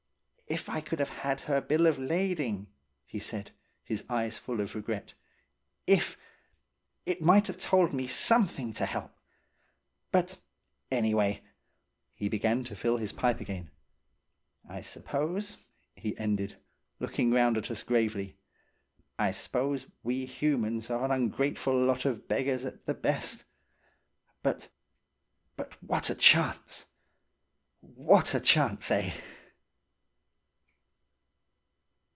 "If I could have had her bill of lading," he said, his eyes full of regret. "If — It might have told me something to help. But, anyway —" He began to fill his pipe again. "I suppose," he ended, looking round at us gravely, "I s'pose we humans are an ungrateful lot of beggars at the best! But–but, what a chance? What a, chance, eh?"